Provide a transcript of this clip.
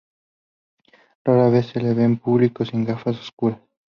Rara vez se le ve en público sin gafas oscuras.